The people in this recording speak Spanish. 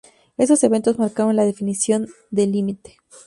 Estos eventos marcaron la definición del límite.